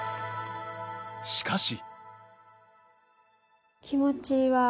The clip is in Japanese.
しかし。